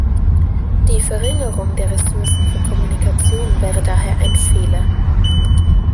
Die Verringerung der Ressourcen für Kommunikation wäre daher ein Fehler.